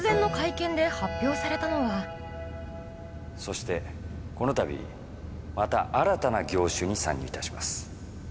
突然のそしてこのたびまた新たな業種に参入いたします。